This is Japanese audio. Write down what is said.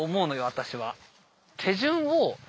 私は。